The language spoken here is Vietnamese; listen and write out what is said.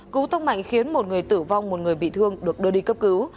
cứu tông mạnh khiến một người tử vong một người bị thương được đưa đi cấp cứu